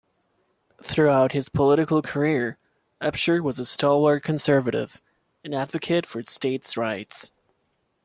Throughout his political career, Upshur was a stalwart conservative and advocate for states' rights.